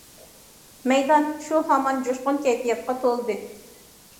مەيدان شۇ ھامان جۇشقۇن كەيپىياتقا تولدى.